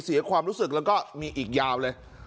เสียความรู้สึกแล้วก็มีอีกยาวเลย